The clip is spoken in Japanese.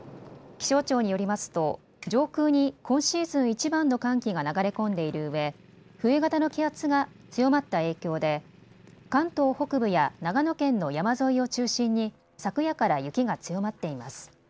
気象庁によりますと上空に今シーズンいちばんの寒気が流れ込んでいるうえ冬型の気圧が強まった影響で関東北部や長野県の山沿いを中心に昨夜から雪が強まっています。